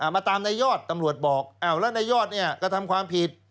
มาตามในยอดตำรวจบอกอ้าวแล้วในยอดเนี่ยกระทำความผิด